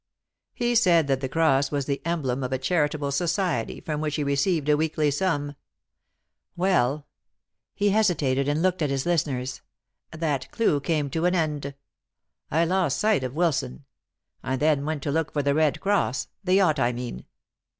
He said that the cross was the emblem of a charitable society from which he received a weekly sum. Well" he hesitated and looked at his listeners "that clue came to an end. I lost sight of Wilson. I then went to look for The Red Cross the yacht, I mean!"